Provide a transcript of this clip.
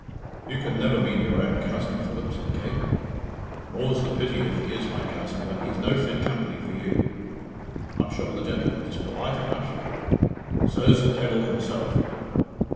"You can never mean your own cousin, Philip?" said Kate. "More's the pity if he is my cousin, but he's no fit company for you." "I'm sure the gentleman is polite enough." "So's the devil himself."